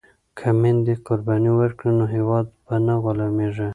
که میندې قرباني ورکړي نو هیواد به نه غلامیږي.